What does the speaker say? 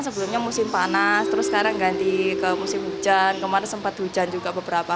sebelumnya musim panas terus sekarang ganti ke musim hujan kemarin sempat hujan juga beberapa